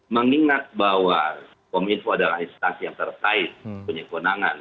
mengingat bahwa kominfo adalah instansi yang terkait punya kewenangan